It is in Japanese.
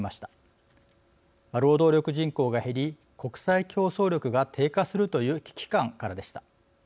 労働力人口が減り国際競争力が低下するという危機感からでした。